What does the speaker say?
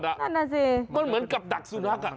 มันเหมือนกับดักสุนัข